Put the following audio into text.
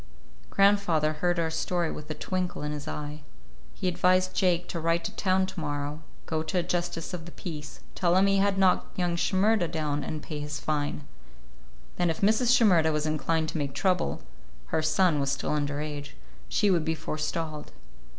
Grandfather heard our story with a twinkle in his eye. He advised Jake to ride to town to morrow, go to a justice of the peace, tell him he had knocked young Shimerda down, and pay his fine. Then if Mrs. Shimerda was inclined to make trouble—her son was still under age—she would be forestalled.